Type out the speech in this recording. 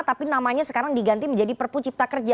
tapi namanya sekarang diganti menjadi perpu cipta kerja